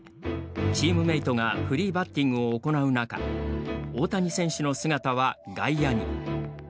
チームメートがフリーバッティングを行う中大谷選手の姿は外野に。